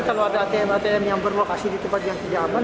kalau ada atm atm yang berlokasi di tempat yang tidak aman